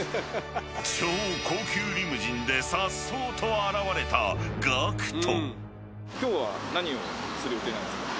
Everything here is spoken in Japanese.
［超高級リムジンでさっそうと現れたＧＡＣＫＴ］